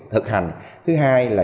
thực hành thứ hai là